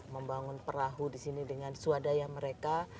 membangun perahu di sini dengan swadaya mereka